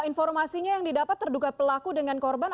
informasinya yang didapat terduga pelaku dengan korban